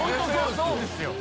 榲そうですよね。